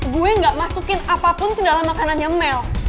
gue gak masukin apapun ke dalam makanannya mel